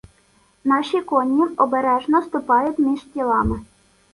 Наші коні обережно ступають між тілами.